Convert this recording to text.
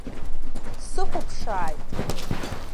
Дсыхәаԥшааит.